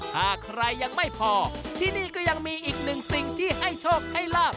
ถ้าใครยังไม่พอที่นี่ก็ยังมีอีกหนึ่งสิ่งที่ให้โชคให้ลาบ